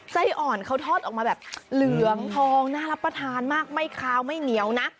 ไส้อ่อนเขาทอดออกมาแบบเหลืองทองน่ารับประทานมากไม่คาวไม่เหนียวนะ